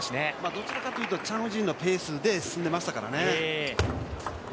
どちらかというと、チャン・ウジンのペースで進んでいましたからね。